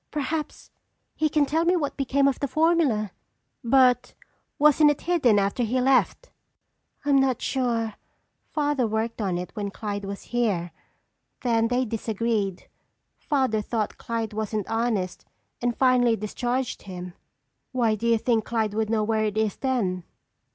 "Perhaps he can tell me what became of the formula." "But wasn't it hidden after he left?" "I'm not sure. Father worked on it when Clyde was here. Then they disagreed. Father thought Clyde wasn't honest and finally discharged him." "Why do you think Clyde would know where it is then?"